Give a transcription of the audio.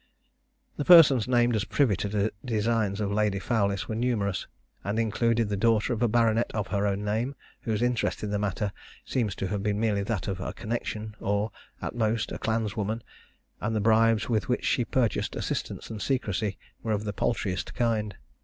The persons named as privy to the designs of Lady Fowlis were numerous, and included the daughter of a baronet of her own name, whose interest in the matter seems to have been merely that of a connexion, or, at most, a clanswoman; and the bribes with which she purchased assistance and secrecy were of the paltriest kind.